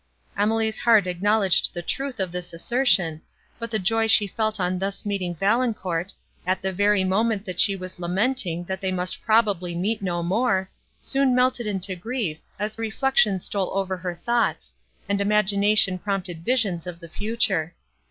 Emily's heart acknowledged the truth of this assertion, but the joy she felt on thus meeting Valancourt, at the very moment when she was lamenting, that they must probably meet no more, soon melted into grief, as reflection stole over her thoughts, and imagination prompted visions of the future.